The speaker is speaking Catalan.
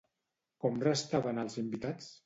Com restaven els invitats?